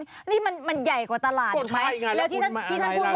นี่มันใหญ่กว่าตลาดใช่ไหมแล้วที่ท่านพูดว่าควรมาอะไรนะ